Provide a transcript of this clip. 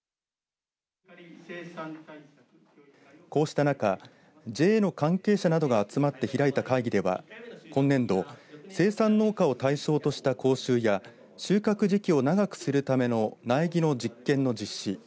こうした中ＪＡの関係者などが集まって開いた会議では今年度、生産農家を対象とした講習や収穫時期を長くするための苗木の実験の実施